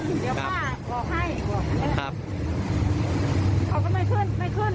เดี๋ยวพ่อหลอกให้หลอกให้เขาก็ไม่ขึ้นไม่ขึ้น